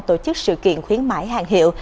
tổ chức sự kiện khuyến mãi hàng hiệu